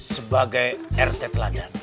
sebagai rt teladan